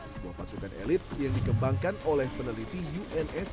sebuah pasukan elit yang dikembangkan oleh peneliti uns